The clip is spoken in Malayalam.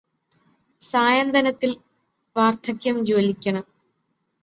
സായന്തനത്തില് വാര്ദ്ധക്യം ജ്വലിക്കണം